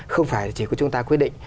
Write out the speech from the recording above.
không phải chỉ của chúng ta quyết định